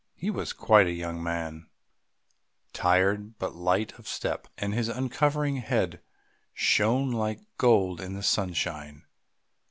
He was a quite young man, tired but light of step, and his uncovered head shone like gold in the sunshine.